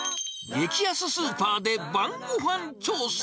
激安スーパーで晩ごはん調査。